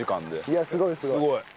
いやすごいすごい。